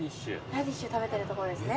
ラディッシュ食べてるとこですね。